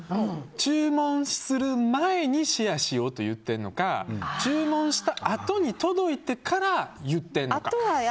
注文する前にシェアしようと言ってるのか注文したあとに届いてから言っているのか。